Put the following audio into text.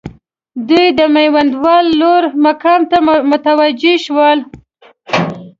دوی د میوندوال لوړ مقام ته متوجه شول.